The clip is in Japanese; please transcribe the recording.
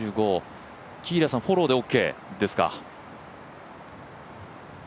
喜入さん、フォローでオーケーですか？